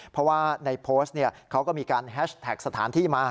เพราะว่าในโพสต์เขาก็มีการแฮชแท็กสถานที่มา